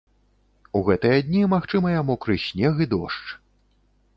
У гэтыя дні магчымыя мокры снег і дождж.